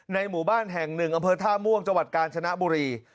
หมู่บ้านแห่งหนึ่งอำเภอท่าม่วงจังหวัดกาญชนะบุรี